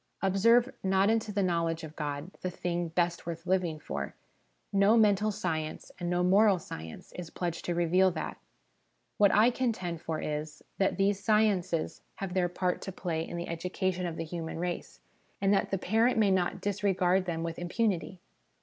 Observe, not into the knowledge of God, the thing best worth living for: no mental science, and no moral science, is pledged to reveal that. What I contend for is, that these sciences have their part to play in the educa SOME PRELIMINARY CONSIDERATIONS 4! tion of the human race, and that the parent may not disregard them with impunity.